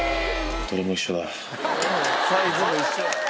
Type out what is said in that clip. サイズも一緒。